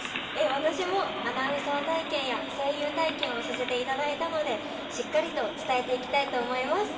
私もアナウンサー体験や声優体験をさせていただいたのでしっかりと伝えていきたいと思います。